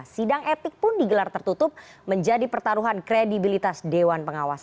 sidang etik pun digelar tertutup menjadi pertaruhan kredibilitas dewan pengawas